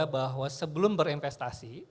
bahwa sebelum berinvestasi